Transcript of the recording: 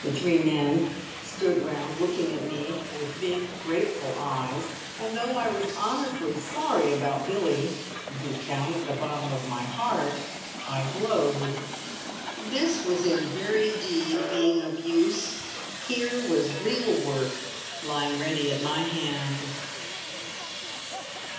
The three men stood round looking at me with big, grateful eyes, and though I was honestly sorry about Billie, deep down at the bottom of my heart I glowed. This was in very deed being of use! Here was real work lying ready at my hand!